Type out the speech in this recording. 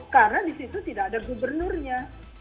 karena disitu tidak ada gubernurnya